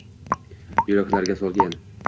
Yuraklarga solgan